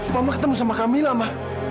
mama ketemu sama kamila ma